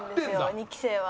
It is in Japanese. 二期生は。